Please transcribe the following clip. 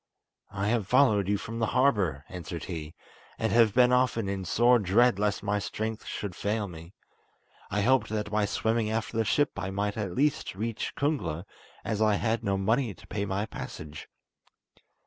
"I have followed you from the harbour," answered he, "and have been often in sore dread lest my strength should fail me. I hoped that by swimming after the ship I might at last reach Kungla, as I had no money to pay my passage."